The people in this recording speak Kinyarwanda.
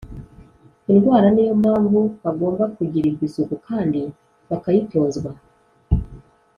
indwara. ni yo mpamvu bagomba kugirirwa isuku kandi bakayitozwa,